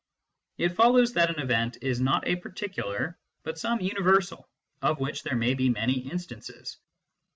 It follows that an " event " is not a particular, but some_unjy^;sjji of which there may be many instances.